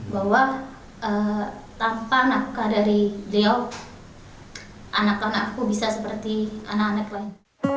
bahwa tanpa nafkah dari beliau anak anakku bisa seperti anak anak lain